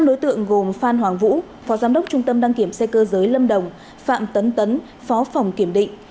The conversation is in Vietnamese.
năm đối tượng gồm phan hoàng vũ phó giám đốc trung tâm đăng kiểm xe cơ giới lâm đồng phạm tấn phó phòng kiểm định